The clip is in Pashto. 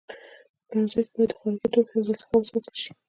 په پلورنځي کې باید د خوراکي توکو حفظ الصحه وساتل شي.